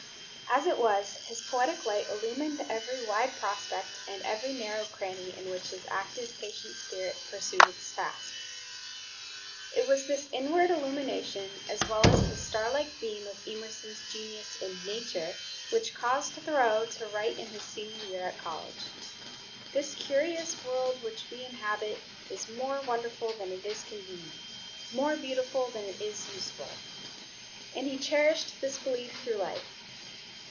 As it was, his poetic light illumined every wide prospect and every narrow cranny in which his active, patient spirit pursued its task. It was this inward illumination as well as the star like beam of Emerson's genius in "Nature," which caused Thoreau to write in his senior year at college, "This curious world which we inhabit is more wonderful than it is convenient; more beautiful than it is useful," and he cherished this belief through life.